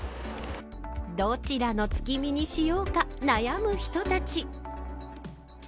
どちらの月見にしようか悩む人たち。